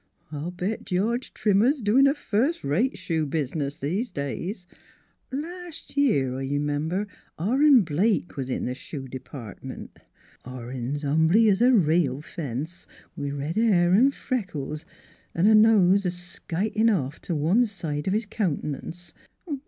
I'll bet George Trimmer's doin' a first rate shoe business these days. Last year, I r'mem ber, Orin Blake was in th' shoe d'partment: Orin's humbly 's a rail fence, with red hair 'n' freckles 'n' a nose skyutin' off t' one side of his countenance.